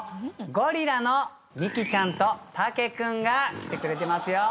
ゴリラのミキちゃんとタケ君が来てくれてますよ。